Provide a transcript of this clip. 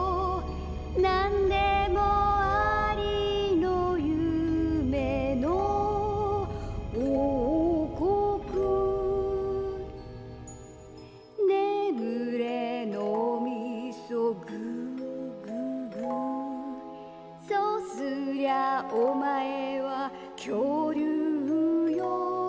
なんでもありのゆめのおうこくねむれのうみそグーグーグーそうすりゃおまえはきょうりゅうよ